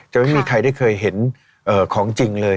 ไม่มีใครได้เคยเห็นของจริงเลย